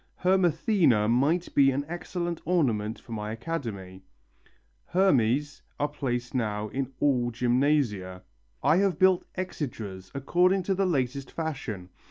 "Hermathena might be an excellent ornament for my Academy, Hermes are placed now in all Gymnasia.... I have built exedras according to the latest fashion.